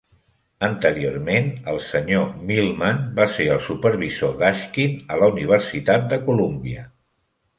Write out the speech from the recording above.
Anteriorment, el senyor Millman va ser el supervisor d'Ashkin a la Universitat de Colúmbia.